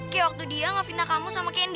kayak waktu dia nge fitnah kamu sama candy